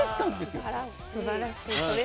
すばらしい。